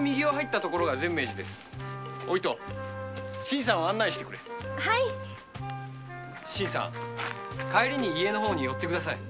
新さんを案内してくれ新さん帰りに家の方に寄って下さい。